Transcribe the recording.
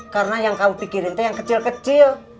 karena yang kau pikirin itu yang kecil kecil